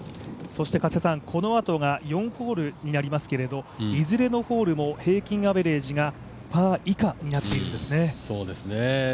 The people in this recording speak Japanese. そしてこのあとが４ホールになりますけれどもいずれのホールも平均アベレージがパー以下になっているんですね。